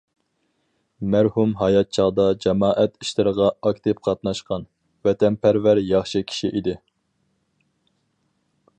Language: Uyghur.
مەرھۇم ھايات چاغدا جامائەت ئىشلىرىغا ئاكتىپ قاتناشقان، ۋەتەنپەرۋەر ياخشى كىشى ئىدى.